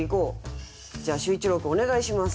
じゃあ秀一郎君お願いします。